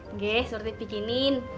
nggak surti bikinin